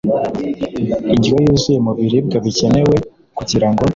indyo yuzuye mu biribwa bikenewe, kugira ngo